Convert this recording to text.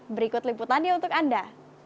berikut liputannya untuk anda